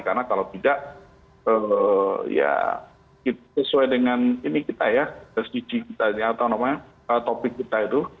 karena kalau tidak ya sesuai dengan ini kita ya sdg kita ini atau namanya topik kita itu